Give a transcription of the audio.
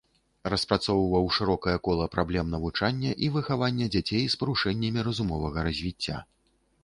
Распрацоўваў шырокае кола праблем навучання і выхавання дзяцей з парушэннямі разумовага развіцця.